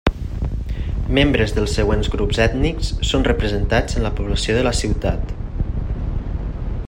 Membres dels següents grups ètnics són representats en la població de la ciutat.